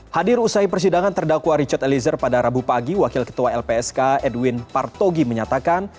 hadir usai persidangan terdakwa richard eliezer pada rabu pagi wakil ketua lpsk edwin partogi menyatakan